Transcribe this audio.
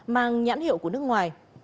mang nhãn hiệu của nước ngoài